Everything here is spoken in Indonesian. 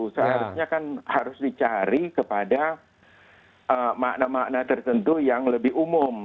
seharusnya kan harus dicari kepada makna makna tertentu yang lebih umum